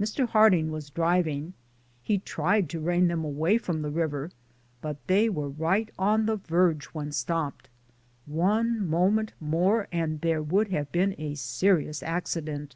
Mr. Harding was driving; he tried to rein them away from the river but they were right on the verge when stopped, one moment more and there would have been a serious accident.